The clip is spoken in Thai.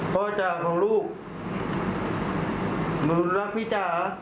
พ่อจ๋าของลูกหนูรักพี่จ๋า